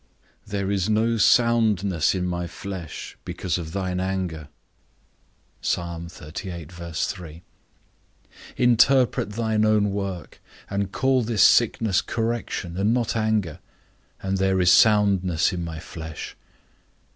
There is no soundness in my flesh, because of thine anger. Interpret thine own work, and call this sickness correction, and not anger, and there is soundness in my flesh.